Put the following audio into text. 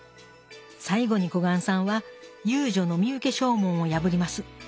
最後に小雁さんは遊女の身請け証文を破ります。